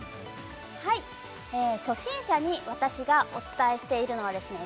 はい初心者に私がお伝えしているのはですね